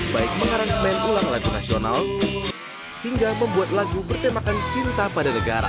baik mengaransmen ulang lagu nasional hingga membuat lagu bertemakan cinta pada negara